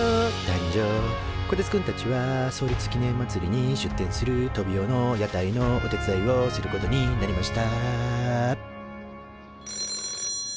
こてつくんたちは創立記念まつりに出店するトビオの屋台のお手伝いをすることになりました